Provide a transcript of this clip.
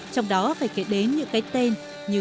trong đó phải kể đến những cái tên như